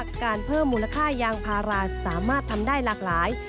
การเพิ่มมูลค่ายางพาราสามารถทำได้หลากหลาย